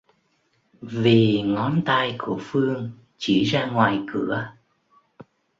vì ngón tay của Phương chỉ ra ngoài cửa